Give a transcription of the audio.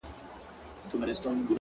ښه چلند خاموشه ژبه ده